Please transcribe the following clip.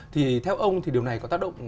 thì theo ông thì điều này có tác động